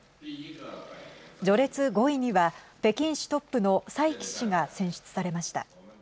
序列５位には北京市トップの蔡奇氏が選出されました。